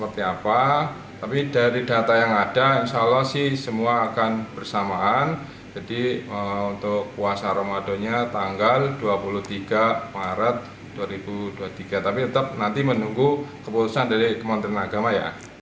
tapi tetap menunggu keputusan dari kementerian agama